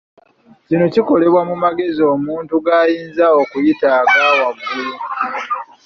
Kino kyakolebwa mu magezi omuntu gayinza okuyita aga waggulu.